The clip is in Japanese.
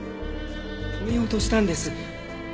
止めようとしたんです。